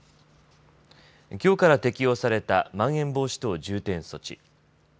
きょうから適用されたまん延防止等重点措置。